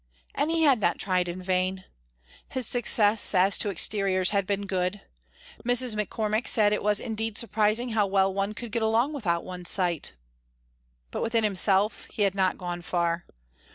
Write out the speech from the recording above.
And he had not tried in vain. His success, as to exteriors, had been good. Mrs. McCormick said it was indeed surprising how well one could get along without one's sight. But within himself he had not gone far.